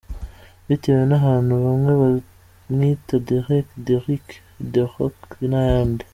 Bitewe n’ahantu bamwe bamwita Derek, Derick, Deryck n’ayandi.